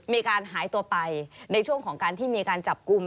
มีการหายตัวไปในช่วงของการที่มีการจับกลุ่ม